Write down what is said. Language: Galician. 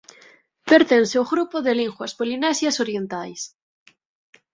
Pertence ó grupo de linguas polinesias orientais.